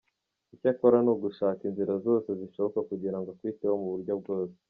Icyo akora ni ugushaka inzira zose zishoboka kugira ngo akwiteho mu buryo bwose.